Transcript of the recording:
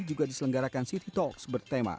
juga diselenggarakan city talks bertema